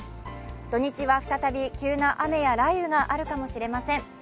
土日は再び急な雨や雷雨があるかもしれません。